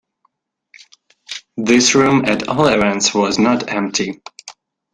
This room, at all events, was not empty.